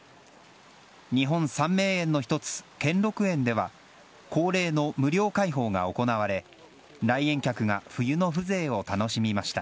日本三名園の１つ、兼六園では恒例の無料開放が行われ来園客が冬の風情を楽しみました。